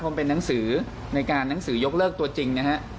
ผมเป็นหนังสือในการหนังสือยกเลิกตัวจริงนะฮะ